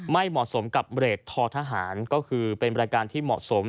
ไม่เหมาะสมกับเบรกทอทหารก็คือเป็นรายการที่เหมาะสม